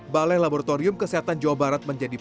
balai laboratorium kesehatan jawa barat menjadi